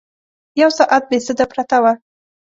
یو ساعت بې سده پرته وه.